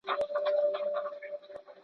هغه د شنو سابو په مینځلو بوخت دی.